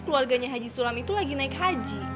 keluarganya haji sulam itu lagi naik haji